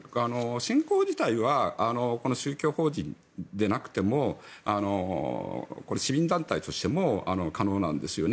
信仰自体はこの宗教法人でなくても市民団体としても可能なんですよね。